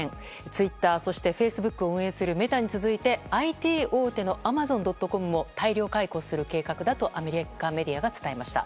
ツイッターそしてフェイスブックを運営するメタに続いてＩＴ大手のアマゾン・ドット・コムも大量解雇する計画だとアメリカメディアが伝えました。